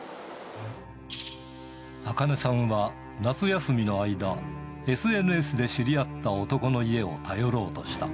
アカネさんは夏休みの間、ＳＮＳで知り合った男の家を頼ろうとした。